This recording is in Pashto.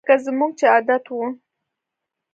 لکه زموږ چې عادت وو